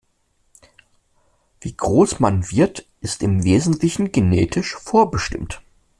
Wie groß man wird, ist im Wesentlichen genetisch vorbestimmt.